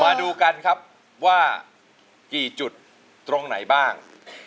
มาดูกันครับว่ากี่จุดตรงไหนบ้าง